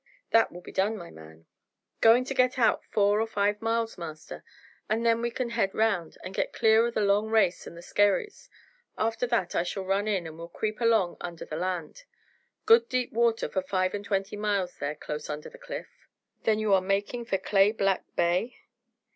"That will all be done, my man." "Going to get out four or five mile, master, and then we can head round, and get clear o' the long race and the skerries. After that I shall run in, and we'll creep along under the land. Good deep water for five and twenty miles there close under the cliff." "Then you are making for Clayblack Bay?"